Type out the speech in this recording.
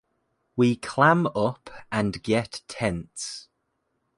We clam up and get tense.